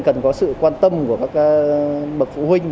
cần có sự quan tâm của các bậc phụ huynh